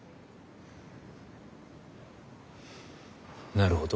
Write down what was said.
なるほど。